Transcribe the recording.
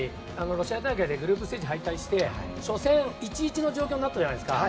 ロシア大会でグループステージ敗退して初戦、１−１の状況になったじゃないですか。